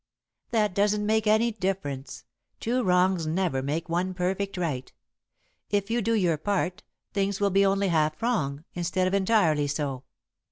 "That doesn't make any difference. Two wrongs never make one perfect right. If you do your part, things will be only half wrong, instead of entirely so."